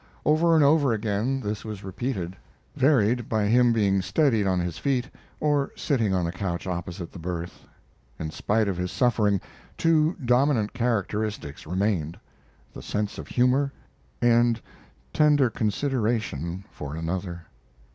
Over and over again this was repeated, varied by him being steadied on his feet or sitting on the couch opposite the berth. In spite of his suffering, two dominant characteristics remained the sense of humor, and tender consideration for another.